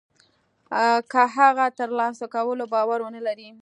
که هغه د تر لاسه کولو باور و نه لري.